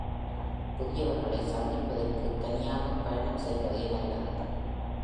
புதியவர்களை சந்திப்பதற்கு தனியாக பயணம் செய்வதே நல்லது.